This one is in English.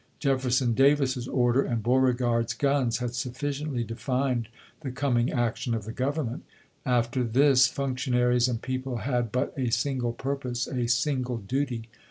Jefferson Davis's order and Beauregard's guns had sufficiently defined the coming action of the Government. After this functionaries and people had but a single purpose, a single duty.